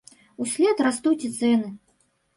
Услед растуць і цэны.